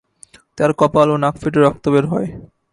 তাঁর কপাল ও নাক ফেটে রক্ত বের হয়।